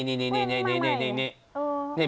นี่